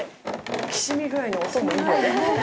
きしみ具合の音もいいよね。